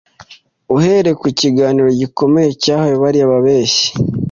Uhereye ku gihano gikomeye cyahawe bariya babeshyi,